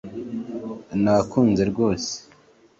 Nakunze rwose